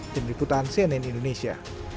diriputan cnn indonesia